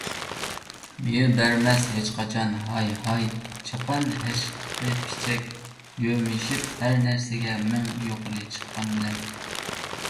مېۋە بەرمەس ھېچقاچان ھاي - ھاي چاپان ھەشقىپىچەك، يۆمىشىپ ھەرنەرسىگە مىڭ يۇقىرى چىققان بىلەن.